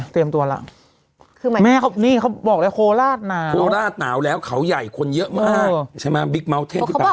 ติดเวอร์แบบเวอร์แบบเวอร์เลย